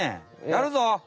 やるぞ。